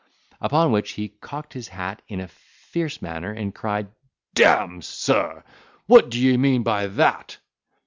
Upon which he cocked his hat in a fierce manner, and cried, "D—me sir, what d'ye mean by that."